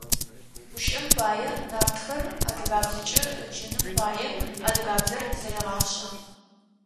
ГущыӀэм пае, «Нартхэр» адыгабзэкӏэ ыджыным пае адыгабзэр зэрегъашӀэ.